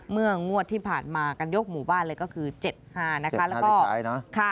เมื่องวดที่ผ่านมากันยกหมู่บ้านเลยก็คือ๗๕นะคะ